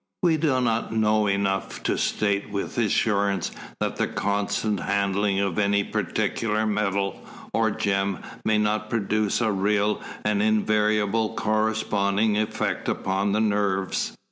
We do not know enough to state with assurance that the constant handling of any particular metal, or gem, may not produce a real and invariable corresponding effect upon the nerves.